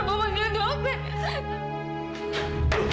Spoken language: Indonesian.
ibu panggil dokter